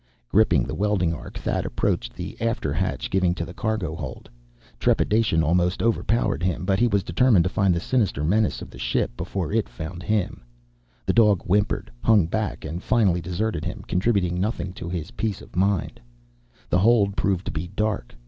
Gripping the welding arc, Thad approached the after hatch, giving to the cargo hold. Trepidation almost overpowered him, but he was determined to find the sinister menace of the ship, before it found him. The dog whimpered, hung back, and finally deserted him, contributing nothing to his peace of mind. The hold proved to be dark.